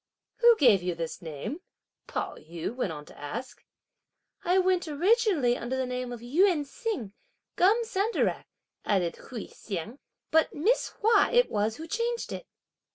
"Who gave you this name?" Pao yü went on to ask. "I went originally under the name of Yün Hsiang (Gum Sandarac)," added Hui Hsiang, "but Miss Hua it was who changed it."